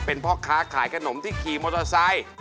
เป็นพ่อค้าขายขนมที่ขี่มอเตอร์ไซค์